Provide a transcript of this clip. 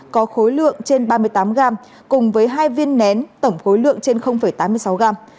có khối lượng trên ba mươi tám gram cùng với hai viên nén tổng khối lượng trên tám mươi sáu gram